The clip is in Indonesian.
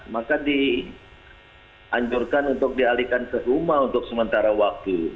maka dianjurkan untuk dialihkan ke rumah untuk sementara waktu